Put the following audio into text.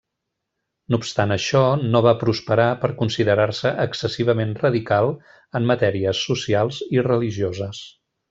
No obstant això, no va prosperar per considerar-se excessivament radical en matèries socials i religioses.